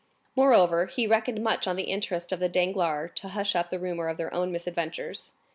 Moreover, he reckoned much on the interest of the Danglars to hush up the rumor of their own misadventures.